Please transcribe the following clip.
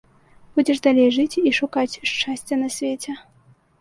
Будзеш далей жыць і шукаць шчасця на свеце.